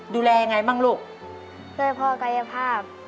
ดูแลพ่อกาลียภาพ